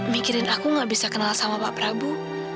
mikirin aku gak bisa kenal sama pak prabu